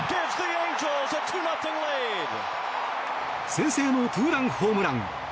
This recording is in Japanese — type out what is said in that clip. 先制のツーランホームラン。